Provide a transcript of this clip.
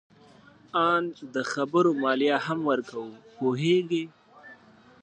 آن د خبرو مالیه هم ورکوو. پوهیږې؟